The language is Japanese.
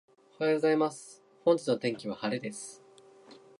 おはようございます、今日の天気は晴れです。